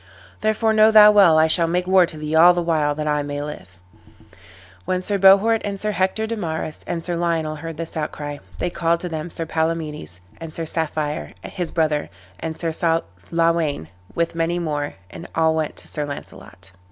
Therefore know thou well I shall make war to thee all the while that I may live." When Sir Bohort, and Sir Hector de Marys, and Sir Lionel heard this outcry, they called to them Sir Palamedes, and Sir Saffire his brother, and Sir Lawayn, with many more, and all went to Sir Launcelot.